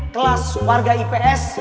kelas warga ips